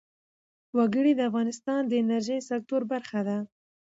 وګړي د افغانستان د انرژۍ سکتور برخه ده.